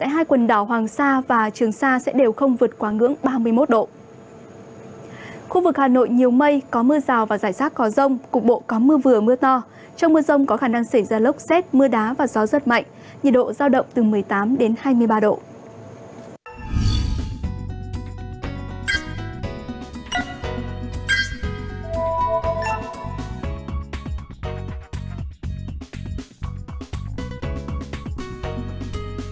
hãy đăng ký kênh để ủng hộ kênh của chúng mình nhé